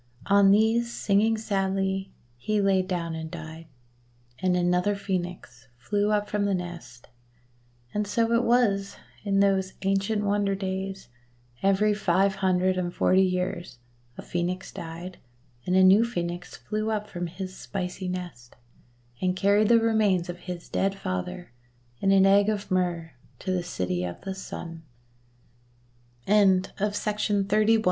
On these, singing sadly, he lay down and died; and another Phoenix flew up from the nest. And so it was, in those ancient wonder days, every five hundred and forty years a Phcenix died, and a new Phcenix flew up from his spicy nest, and carried the remains of his dead father in an egg of Myrrh to the City of the S